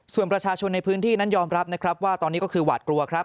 ส่วนประชาชนในพื้นที่นั้นยอมรับนะครับว่าตอนนี้ก็คือหวาดกลัวครับ